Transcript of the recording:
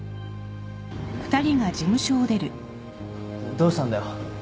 どうしたんだよ。